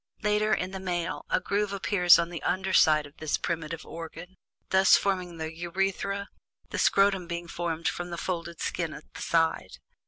Later, in the male, a groove appears on the under side of this primitive organ, thus forming the urethra, the scrotum being formed from the folded skin at the side.